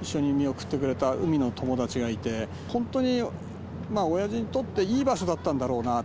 一緒に見送ってくれた海の友達がいて、本当におやじにとっていい場所だったんだろうな。